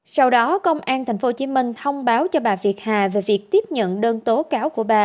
sau đó công an tp hcm thông báo cho bà việt hà về việc tiếp nhận đơn tố cáo của bà